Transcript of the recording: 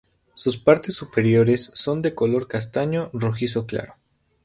Sus partes superiores son de color castaño rojizo claro.